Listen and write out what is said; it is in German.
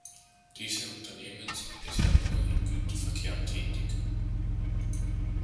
Diese Unternehmen sind bisher nur im Güterverkehr tätig.